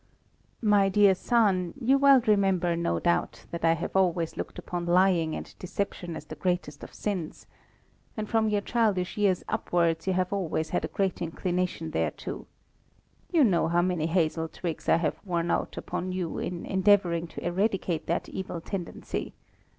"My dear son, you well remember, no doubt, that I have always looked upon lying and deception as the greatest of sins; and from your childish years upwards you have always had a great inclination thereto. You know how many hazel twigs I have worn out upon you in endeavouring to eradicate that evil tendency.